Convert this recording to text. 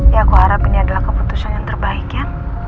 ya aku harap ini adalah keputusan yang terbaik ya